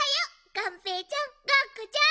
がんぺーちゃんがんこちゃん。